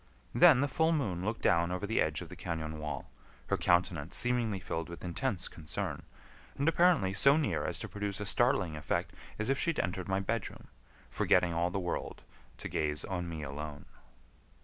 Then the full moon looked down over the edge of the cañon wall, her countenance seemingly filled with intense concern, and apparently so near as to produce a startling effect as if she had entered my bedroom, forgetting all the world, to gaze on me alone.